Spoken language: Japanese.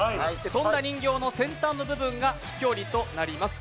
飛んだ人形の先端の部分が飛距離となります。